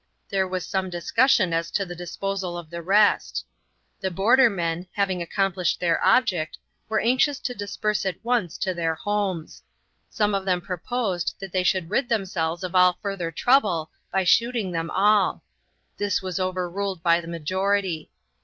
There was some discussion as to the disposal of the rest. The border men, having accomplished their object, were anxious to disperse at once to their homes. Some of them proposed that they should rid themselves of all further trouble by shooting them all. This was overruled by the majority.